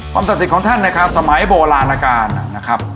ความตกติดของท่านนะครับสมัยโบราณอาการนะครับ